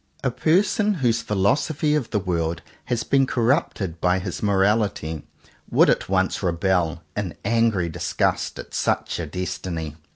A person whose philosophy of the world has been corrupted by his morality, would at once rebel, in angry disgust, at such a destiny.